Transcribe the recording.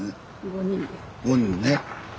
５人ね。